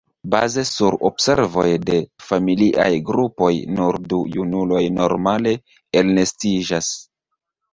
Baze sur observoj de familiaj grupoj, nur du junuloj normale elnestiĝas.